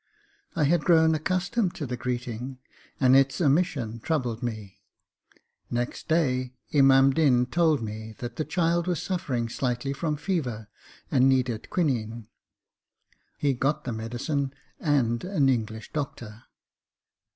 I had grown accustomed to the greeting, and its omission troubled me. Next day Imam Din told me that the child was suffering slightly from fever and needed quinine. He got the medicine, and an English Doctor.